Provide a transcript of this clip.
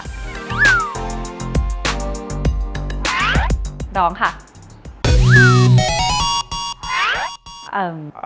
ร้องค่ะ